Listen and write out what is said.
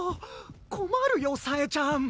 困るよ冴ちゃん！